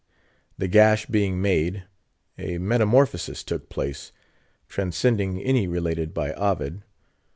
The gash being made, a metamorphosis took place, transcending any related by Ovid.